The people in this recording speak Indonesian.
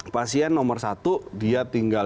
pasien nomor satu dia tinggal